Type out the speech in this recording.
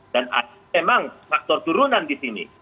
dan memang faktor turunan di sini